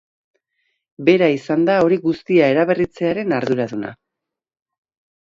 Bera izan da hori guztia eraberritzearen arduraduna.